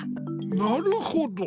なるほど。